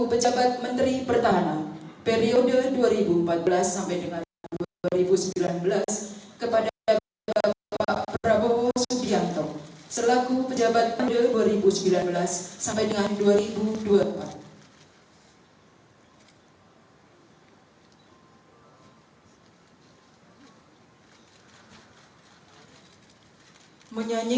persiapan pemberian ucapan selamat